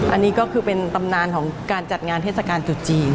อันนี้ก็คือเป็นตำนานของการจัดงานเทศกาลจุดจีน